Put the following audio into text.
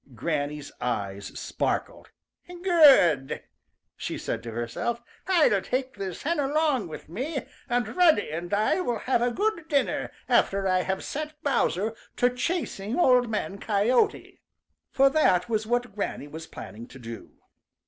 Granny's eyes sparkled. "Good," said she to herself. "I'll take this hen along with me, and Reddy and I will have a good dinner after I have set Bowser to chasing Old Man Coyote," for that was what Granny was planning to do.